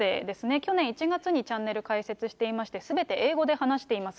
去年１月にチャンネル開設していまして、すべて英語で話しています。